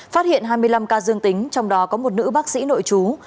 phát hiện hai mươi năm ca dương tính trong đó có một nữ bác sĩ nội chú